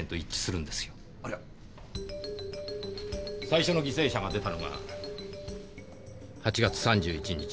最初の犠牲者が出たのが８月３１日。